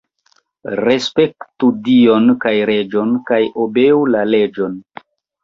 Respektu Dion kaj reĝon kaj obeu la leĝon.